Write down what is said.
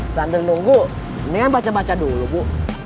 sambil nunggu mendingan baca baca dulu bu